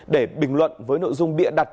để bình luận với nội dung bịa đặt